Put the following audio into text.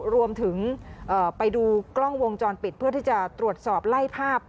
รวมถึงไปดูกล้องวงจรปิดเพื่อที่จะตรวจสอบไล่ภาพ